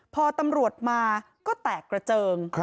พอตำรวจมาก็แตกกระเจิง